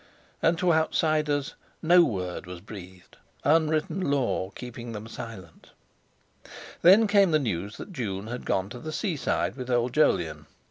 And to outsiders no word was breathed, unwritten law keeping them silent. Then came the news that June had gone to the seaside with old Jolyon.